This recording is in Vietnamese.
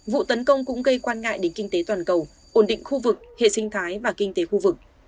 vụ tấn công cũng gây quan ngại đến kinh tế toàn cầu ổn định khu vực hệ sinh thái và kinh tế khu vực